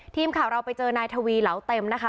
ทีมข่าวเราไปเจอนายทวีเหลาเต็มนะคะ